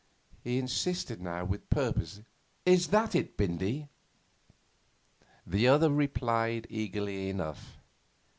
He insisted now with purpose. 'Is that it, Bindy?' The other replied eagerly enough.